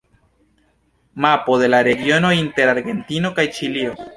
Mapo de la regiono inter Argentino kaj Ĉilio.